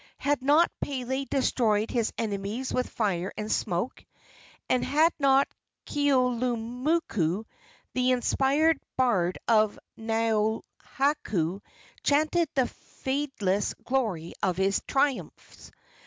Had not Pele destroyed his enemies with fire and smoke? and had not Keaulumoku, the inspired bard of Naohaku, chanted the fadeless glory of his triumphs?